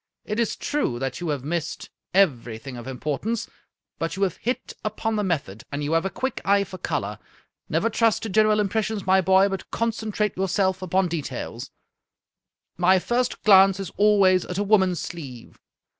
It is true that you have missed everything of importance, but you have hit upon the method, and you have a quick eye for color. Never trust to general impressions, my boy, but concentrate yourself upon details. My first glance is al ways at a woman's sleeve.